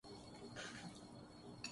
مجھے اسے ملنے کی ضرورت نہ تھی